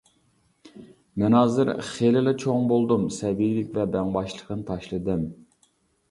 مەن ھازىر خېلىلا چوڭ بولدۇم، سەبىيلىك ۋە بەڭباشلىقنى تاشلىدىم.